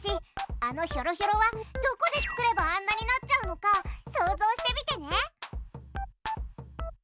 あのひょろひょろはどこで作ればあんなになっちゃうのか想像してみてね。